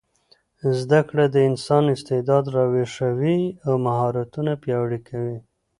زده کړه د انسان استعداد راویښوي او مهارتونه پیاوړي کوي.